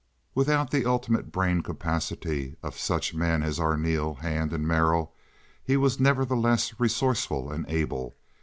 Without the ultimate brain capacity of such men as Arneel, Hand, and Merrill, he was, nevertheless, resourceful and able.